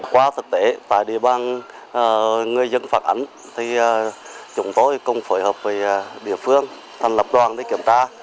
qua thực tế tại địa bàn người dân phản ảnh chúng tôi cùng phối hợp với địa phương thành lập đoàn để kiểm tra